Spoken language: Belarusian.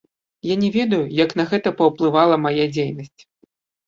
Я не ведаю, як на гэта паўплывала мая дзейнасць.